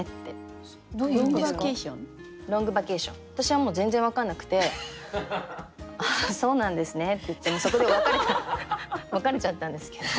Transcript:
私はもう全然分かんなくて「ああそうなんですね」って言ってそこで別れちゃったんですけど。